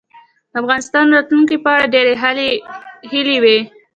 د افغانستان د راتلونکې په اړه ډېرې هیلې وې.